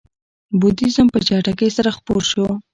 بودیزم په چټکۍ سره خپور شو.